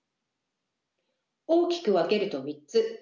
大きく分けると３つ。